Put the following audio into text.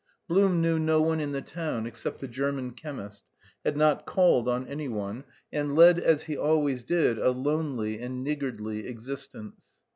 Blum knew no one in the town except the German chemist, had not called on anyone, and led, as he always did, a lonely and niggardly existence.